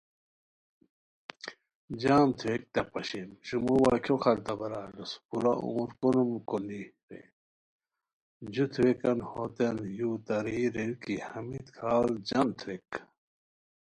جم تھوویک تہ پاشئیم شومو وا کھیو خلتھابارا الوس پورا عمر کونوم کونی رے، جُو تھوویکان ہوتین یو تارئے ریر کی ہمیت کھاڑ جم تھوویک